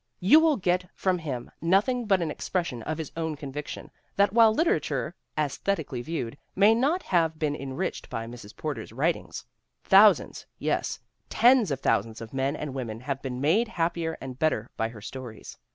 You will get from him nothing but an expression of his own conviction that while literature, aesthetically viewed, may not have been enriched by Mrs. Porter's writings, thou sands, yes, tens of thousands of men and women have been made happier and better by her stories.